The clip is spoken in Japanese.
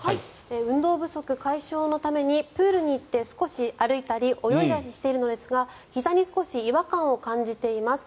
運動不足解消のためにプールに行って少し歩いたり泳いだりしているのですがひざに少し違和感を感じています。